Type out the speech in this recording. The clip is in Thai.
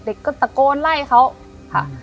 เด็กก็ตะโกนไล่เขาค่ะ